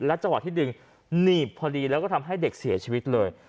จังหวะที่ดึงหนีบพอดีแล้วก็ทำให้เด็กเสียชีวิตเลย